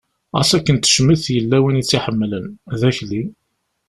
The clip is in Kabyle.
Ɣas akken tecmet yella win i tt-iḥemmlen, d Akli.